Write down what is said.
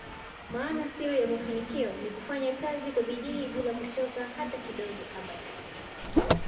Maana Siri ya mafanikio Ni kufanya Kazi kwa bidii bila kuchoka hata kidogo abadani